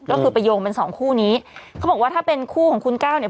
ก็คือไปโยงเป็นสองคู่นี้เขาบอกว่าถ้าเป็นคู่ของคุณก้าวเนี่ย